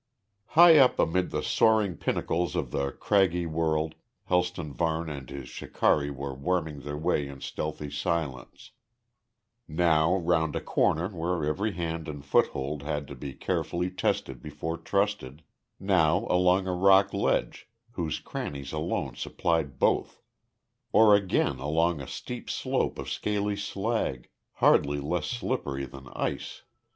High up amid the soaring pinnacles of the craggy world Helston Varne and his shikari were worming their way in stealthy silence, now round a corner where every hand and foothold had to be carefully tested before trusted, now along a rock ledge whose crannies alone supplied both or again along a steep slope of scaly slag, hardly less slippery than ice.